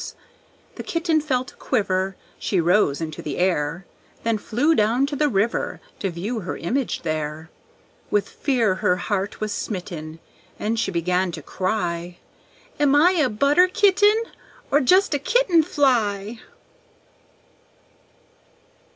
The kitten felt a quiver, She rose into the air, Then flew down to the river To view her image there. With fear her heart was smitten, And she began to cry, "Am I a butter kitten? Or just a kitten fly?"